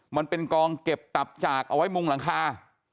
มันเป็นกองเก็บตับจากเอาไว้มุงหลังคา